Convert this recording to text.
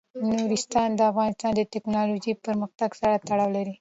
نورستان د افغانستان د تکنالوژۍ پرمختګ سره تړاو لري.